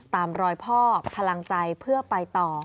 ตามรอยพ่อพลังใจเพื่อไปต่อ